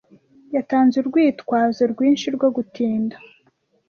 Yatanze urwitwazo rwinshi rwo gutinda.